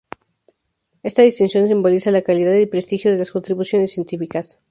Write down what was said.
Esta distinción simboliza la calidad y prestigio de las contribuciones científicas.